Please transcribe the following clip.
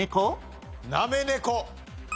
なめ猫。